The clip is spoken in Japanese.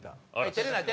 照れないよ。